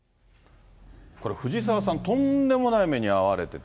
これ、ふじさわさん、とんでもない目に遭われてて。